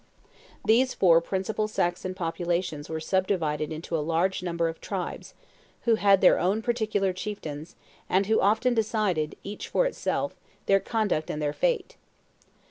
These four principal Saxon populations were sub divided into a large number of tribes, who had their own particular chieftains, and who often decided, each for itself, their conduct and their fate.